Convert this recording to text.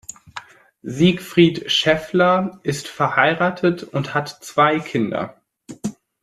Siegfried Scheffler ist verheiratet und hat zwei Kinder.